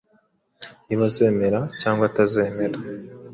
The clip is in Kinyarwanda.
niba azemera cyangwa atazemera.